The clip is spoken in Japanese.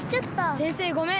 先生ごめん。